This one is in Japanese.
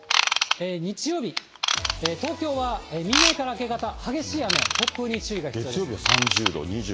日曜日、東京は未明から明け方、激しい雨、突風に注意が必要です。